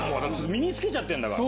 身につけちゃってんだから。